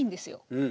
うん。